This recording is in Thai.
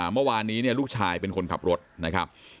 เมื่อวานนี้เนี่ยลูกชายเป็นคนขับรถนะครับ